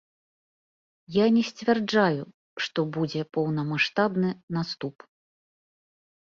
Я не сцвярджаю, што будзе поўнамаштабны наступ.